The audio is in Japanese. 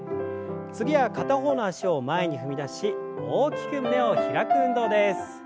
次は片方の脚を前に踏み出し大きく胸を開く運動です。